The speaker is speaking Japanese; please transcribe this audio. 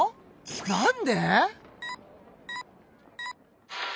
なんで？